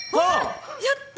やった！